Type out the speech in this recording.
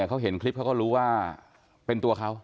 เขาเห็นคลิปเขาก็รู้ว่าเป็นตัวเขา